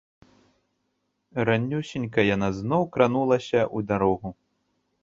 Ранюсенька яна зноў кранулася ў дарогу.